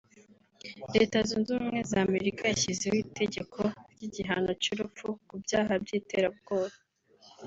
Leta Zunze Ubumwe za Amerika yashyizeho itegeko ry’igihano cy’urupfu ku byaha by’iterabwoba